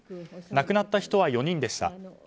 亡くなった人は４人でした。